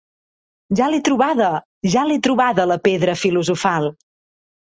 Ja l'he trobada! ¡Ja l'he trobada la pedra filosofal!